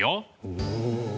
おお。